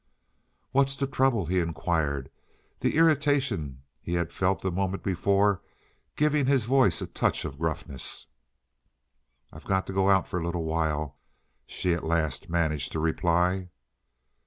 "What's the trouble?" he inquired, the irritation he had felt the moment before giving his voice a touch of gruffness. "I've got to go out for a little while," she at last managed to reply.